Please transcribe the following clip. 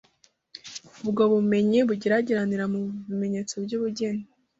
Ubwo bumenyi bugeregerire mu bimenyetso by’ubugeni,